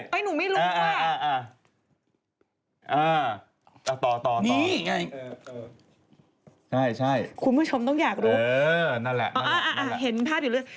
ไม่รู้ว่ายังไงใช่มั้ยเอ้าต่อนี่คุณผู้ชมต้องอยากรู้เอาอะอาเห็นภาพอยู่แล้ว